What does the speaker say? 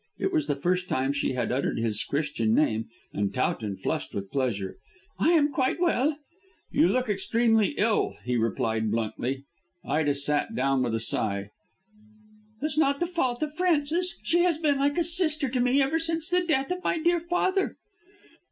It was the first time she had uttered his Christian name, and Towton flushed with pleasure. "I am quite well." "You look extremely ill," he replied bluntly. Ida sat down with a sigh. "It's not the fault of Frances. She has been like a sister to me ever since the death of my dear father."